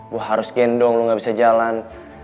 gue harus gendong lu gak bisa jalan